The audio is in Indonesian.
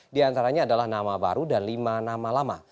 diantaranya adalah nama baru dan lima nama lama